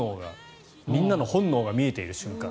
みんな本能が見えている瞬間。